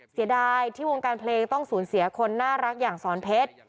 เสียดายที่วงการเพลงต้องสูญเสียคนน่ารักอย่างสอนเพชร